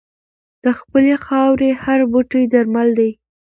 د خپلې خاورې هر بوټی درمل دی.